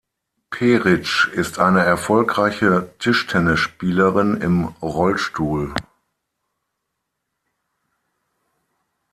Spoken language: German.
Perić ist eine erfolgreiche Tischtennisspielerin im Rollstuhl.